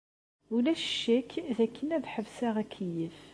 Ulac ccek dakken ad ḥebseɣ akeyyef.